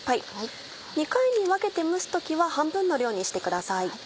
２回に分けて蒸す時は半分の量にしてください。